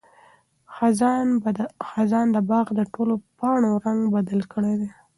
خزان د باغ د ټولو پاڼو رنګ بدل کړی دی.